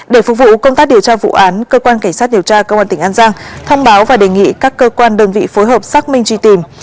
để phục vụ công tác điều tra vụ án cơ quan cảnh sát điều tra công an tỉnh an giang thông báo và đề nghị các cơ quan đơn vị phối hợp xác minh truy tìm